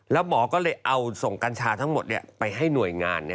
แล้วหมอก็เลยเอาส่งกัญชาทั้งหมดไปให้หน่วยงาน